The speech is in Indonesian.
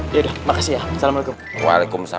ya udah makasih ya assalamualaikum waalaikumsalam